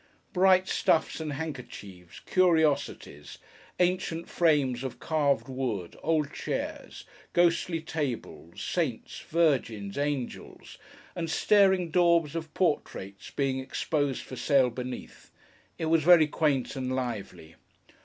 Bright stuffs and handkerchiefs, curiosities, ancient frames of carved wood, old chairs, ghostly tables, saints, virgins, angels, and staring daubs of portraits, being exposed for sale beneath, it was very quaint and lively.